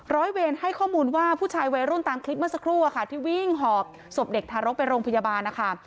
ร้อยเวรให้ข้อมูลว่าผู้ชายวัยรุ่นตามคลิปเมื่อสักครู่อะค่ะที่วิ่งหอบศพเด็กทารกไปโรงพยาบาลนะคะ